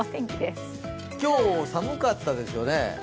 今日、寒かったですよね。